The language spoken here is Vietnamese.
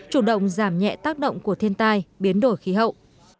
chủ động giảm nhẹ tác động của thiên tai biến đổi khí hậu